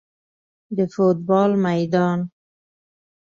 د فوټبال میدان